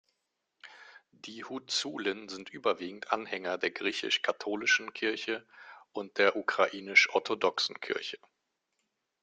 Die Huzulen sind überwiegend Anhänger der Griechisch-katholischen Kirche und der Ukrainisch-orthodoxen Kirche.